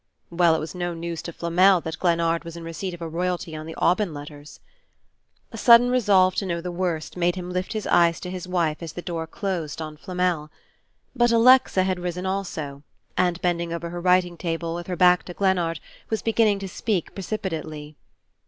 Well, it was no news to Flamel that Glennard was in receipt of a royalty on the "Aubyn Letters."... A sudden resolve to know the worst made him lift his eyes to his wife as the door closed on Flamel. But Alexa had risen also, and bending over her writing table, with her back to Glennard, was beginning to speak precipitately.